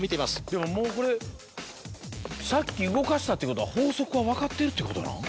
でももうこれさっき動かしたってことは法則は分かってるってことなん？